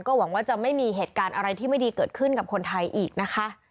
หวังว่าจะไม่มีเหตุการณ์อะไรที่ไม่ดีเกิดขึ้นกับคนไทยอีกนะคะ